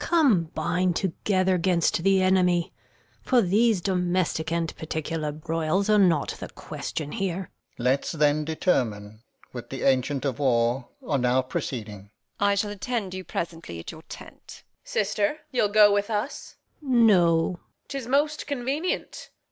Gon. Combine together 'gainst the enemy; For these domestic and particular broils Are not the question here. Alb. Let's then determine With th' ancient of war on our proceeding. Edm. I shall attend you presently at your tent. Reg. Sister, you'll go with us? Gon. No. Reg. 'Tis most convenient.